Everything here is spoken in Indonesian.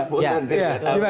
oh ya benar